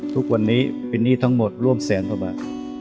ทุกวันนี้เป็นนี่ทั้งหมดร่วมแสงเข้ามา